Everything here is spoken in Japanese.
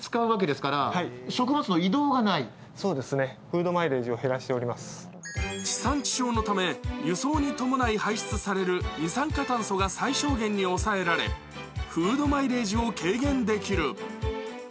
その理由をちゅう房で聞いてみると地産地消のため、輸送に伴い排出される二酸化炭素が最小限に抑えられフードマイレージを軽減できる。